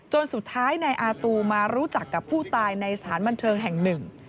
สุดท้ายนายอาตูมารู้จักกับผู้ตายในสถานบันเทิงแห่งหนึ่ง